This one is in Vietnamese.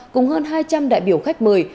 cùng hơn hai trăm linh đại biểu khách mời